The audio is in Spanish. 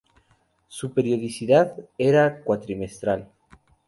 Su periodicidad era cuatrimestral.